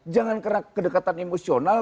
jangan kena kedekatan emosional